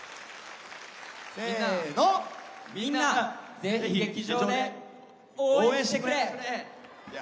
みんな、ぜひ劇場で応援してくれ！